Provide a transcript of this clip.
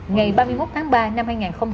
ngày ba mươi một tháng ba năm hai nghìn hai mươi